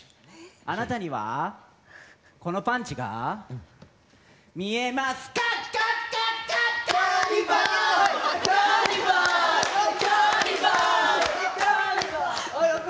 あなたにはこのパンチが見えますか？